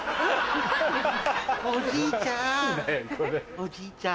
おじいちゃん。